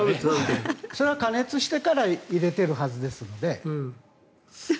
それは加熱してから入れてるはずですので。